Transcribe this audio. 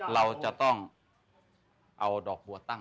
เราจะต้องเอาดอกบัวตั้ง